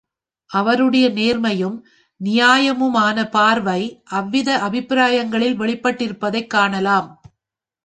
அவருடைய நேர்மையும் நியாயமுமானப் பார்வை அவ்வித அபிப்பிராயங்களில் வெளிப்பட்டிருப்பதைக் காணலாம்.